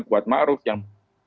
keterangan kuatma'ruf yang